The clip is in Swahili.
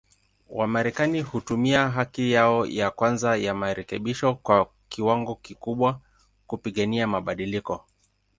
Wamarekani hutumia haki yao ya kwanza ya marekebisho kwa kiwango kikubwa, kupigania mabadiliko.